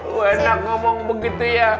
wah enak ngomong begitu ya